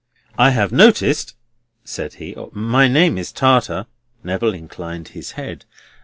"I have noticed," said he; "—my name is Tartar." Neville inclined his head.